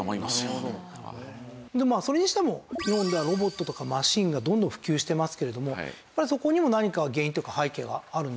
でもまあそれにしても日本ではロボットとかマシンがどんどん普及してますけれどもやっぱりそこにも何か原因とか背景はある？